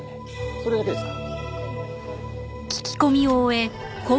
それだけですか？